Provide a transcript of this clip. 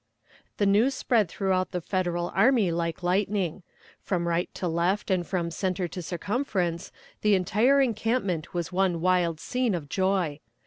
The news spread throughout the Federal army like lightning; from right to left and from center to circumference the entire encampment was one wild scene of joy.